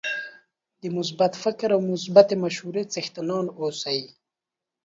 د مثبت فکر او مثبتې مشورې څښتنان اوسئ